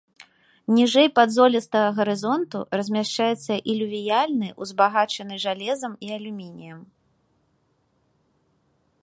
Ніжэй падзолістага гарызонту размяшчаецца ілювіяльны, узбагачаны жалезам і алюмініем.